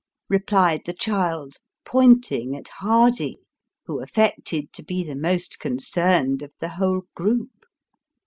" replied the child, pointing at Hardy, who affected to be the most concerned of the whole group.